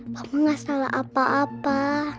kamu gak salah apa apa